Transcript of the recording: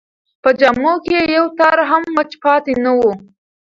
په جامو کې یې یو تار هم وچ پاتې نه و.